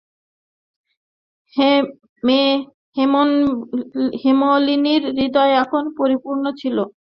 হেমনলিনীর হৃদয় তখন পরিপূর্ণ ছিল।